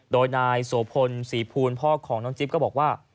โดยนายโสพลศรีภูลพ่อของน้องจิ๊บก็บอกว่า